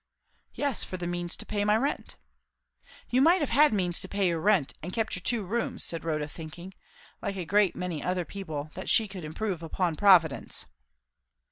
"Yes, for the means to pay my rent." "You might have had means to pay your rent, and kept your two rooms," said Rotha; thinking, like a great many other people, that she could improve upon Providence.